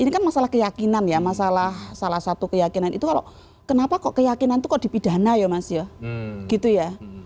ini kan masalah keyakinan ya masalah salah satu keyakinan itu kalau kenapa kok keyakinan itu kok dipidana ya mas ya gitu ya